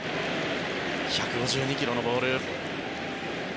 １５２キロのボール。